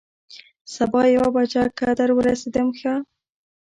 سبا یوه بجه که در ورسېدم، ښه.